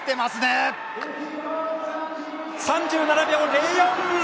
３７秒０４！